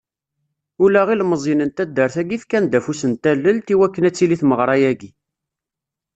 Ula ilmeẓyen n taddart-agi fkan-d afus n tallelt, i wakken ad tili tmeɣra-agi..